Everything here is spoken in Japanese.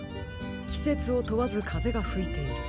きせつをとわずかぜがふいている。